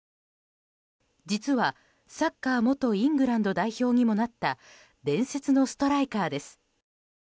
実は、サッカー元イングランド代表にもなった伝説のストライカーです。